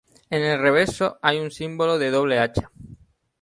En el reverso hay un símbolo de doble hacha.